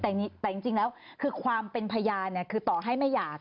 แต่จริงแล้วคือความเป็นพยานคือต่อให้ไม่อยาก